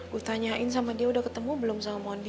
gue tanyain sama dia udah ketemu belum sama mondi